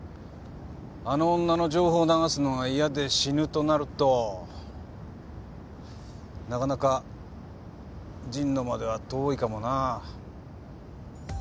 あの女の情報を流すのが嫌で死ぬとなるとなかなか神野までは遠いかもな。